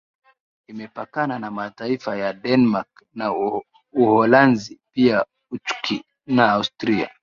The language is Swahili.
Imepakana na mataifa ya Denmark na Uholanzi pia Uchki na Austria